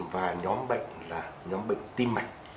và nhóm bệnh là nhóm bệnh tim mạch